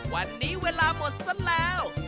วันนี้เวลาหมดซะแล้ว